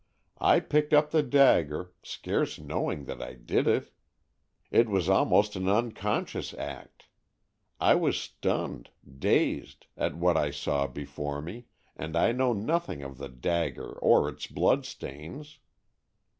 "I picked up the dagger, scarce knowing that I did it! It was almost an unconscious act. I was stunned, dazed, at what I saw before me, and I know nothing of the dagger or its blood stains!"